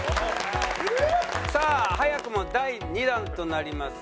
さあ早くも第２弾となります